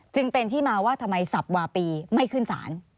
จึงเป็นที่มาว่าทำไมสับวาปีไม่ขึ้นศาล